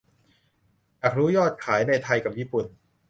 อยากรู้ยอดขาย ในไทยกับญี่ปุ่น